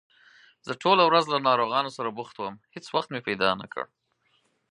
زه ټوله ورځ له ناروغانو سره بوخت وم، هېڅ وخت مې پیدا نکړ